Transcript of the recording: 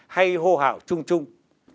hay hô hảo chung chung